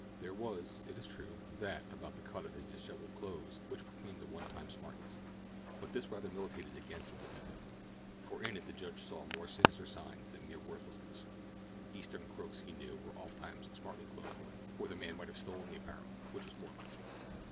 There was, it is true, that about the cut of his disheveled clothes which proclaimed a one time smartness; but this rather militated against the defendant, for in it the judge saw more sinister signs than mere worthlessness—Eastern crooks, he knew, were ofttimes smartly clothed, or the man might have stolen the apparel, which was more likely.